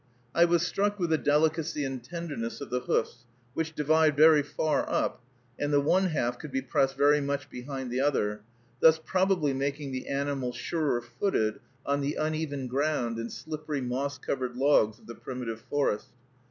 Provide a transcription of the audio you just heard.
I was struck with the delicacy and tenderness of the hoofs, which divide very far up, and the one half could be pressed very much behind the other, thus probably making the animal surer footed on the uneven ground and slippery moss covered logs of the primitive forest.